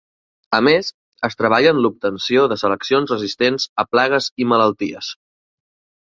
A més, es treballa en l’obtenció de seleccions resistents a plagues i malalties.